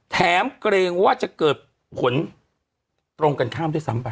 เกรงว่าจะเกิดผลตรงกันข้ามด้วยซ้ำไป